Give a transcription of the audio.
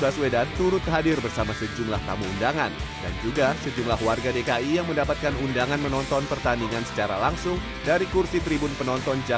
pertandingan yang bertujuan sebagai persahabatan ini juga dimaksudkan dengan kebaikan dan kebaikan dalam pertandingan yang terjadi di atas kota